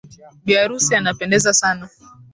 bi arusi anapendeza sana.